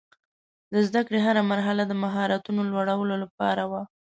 د زده کړې هره مرحله د مهارتونو لوړولو لپاره وه.